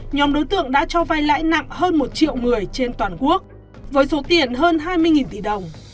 nhóm đối tượng đã cho vay lãi nặng hơn một triệu người trên toàn quốc với số tiền hơn hai mươi tỷ đồng